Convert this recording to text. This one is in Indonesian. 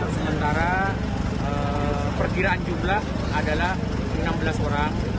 sementara perkiraan jumlah adalah enam belas orang